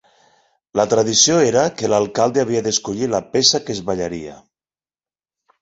La tradició era que l’alcalde havia d’escollir la peça que es ballaria.